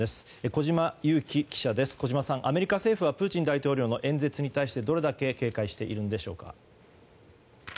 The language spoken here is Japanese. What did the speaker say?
小島さん、アメリカ政府はプーチン大統領の演説に対してどれだけ警戒しているんでしょうか。